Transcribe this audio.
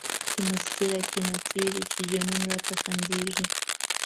چی مستی را کی نڅیږی، چی جنون راته خندیږی